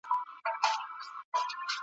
کار ښه محسوسيږي